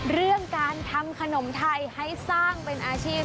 เรื่องการทำขนมไทยให้สร้างเป็นอาชีพ